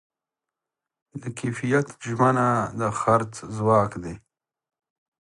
د کیفیت ژمنه د خرڅ ځواک دی.